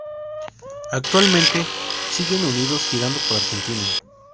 Actualmente siguen unidos, girando por Argentina.